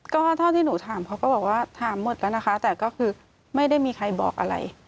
ก็เท่าที่หนูถามเขาก็บอกว่าถามหมดแล้วนะคะแต่ก็คือไม่ได้มีใครบอกอะไร